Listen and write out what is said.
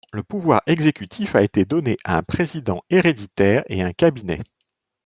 Le pouvoir exécutif a été donné à un président héréditaire et un Cabinet.